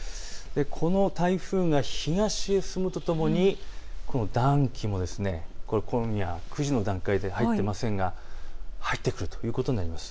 この台風が東へ進むとともにこの暖気も今夜９時の段階で入っていませんが入ってくるということになります。